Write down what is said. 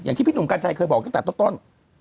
ที่พี่หนุ่มกัญชัยเคยบอกตั้งแต่ต้น